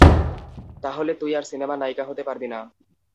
তাহলে তুই আর সিনেমার নায়িকা হতে পারবি না!